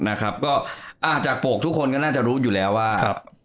นะครับก็อ่าจากโปรกทุกคนก็น่าจะรู้อยู่แล้วว่าครับ